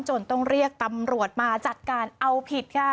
ต้องเรียกตำรวจมาจัดการเอาผิดค่ะ